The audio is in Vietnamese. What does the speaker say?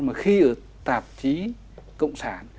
mà khi ở tạp chí cộng sản